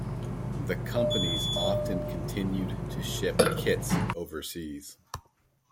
The companies often continued to ship "kits" overseas.